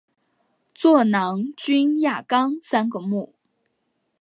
座囊菌亚纲三个目。